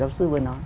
giáo sư vừa nói